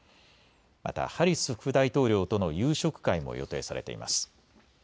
またハリス副大統領との夕食会も予定されています。